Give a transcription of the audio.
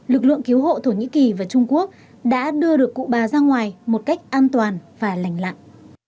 lực lượng cứu hộ thổ nhĩ kỳ và trung quốc đã đưa được cụ bà ra ngoài một cách an toàn và lành lặng